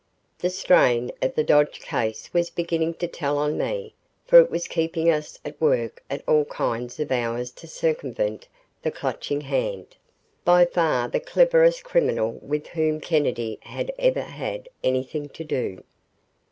The strain of the Dodge case was beginning to tell on me, for it was keeping us at work at all kinds of hours to circumvent the Clutching Hand, by far the cleverest criminal with whom Kennedy had ever had anything to do.